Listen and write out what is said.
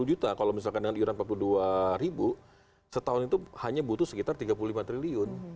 dua puluh juta kalau misalkan dengan iuran empat puluh dua ribu setahun itu hanya butuh sekitar tiga puluh lima triliun